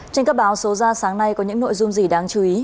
trên các báo số ra sáng nay có những nội dung gì đáng chú ý